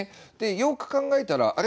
よく考えたらあれ？